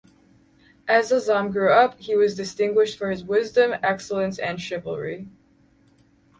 As Azam grew up, he was distinguished for his wisdom, excellence, and chivalry.